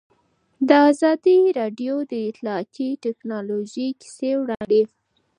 ازادي راډیو د اطلاعاتی تکنالوژي کیسې وړاندې کړي.